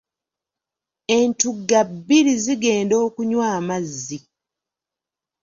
Entugga bbiri zigenda okunywa amazzi.